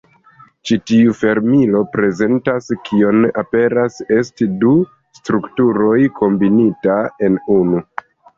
Ĉi tiu fermilo prezentas kion aperas esti du strukturoj kombinita en unu.